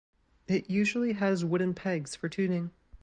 It usually has wooden pegs for tuning.